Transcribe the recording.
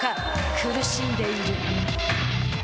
苦しんでいる。